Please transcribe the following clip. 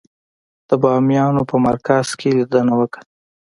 د بامیانو په مرکز کې لیدنه وکړه.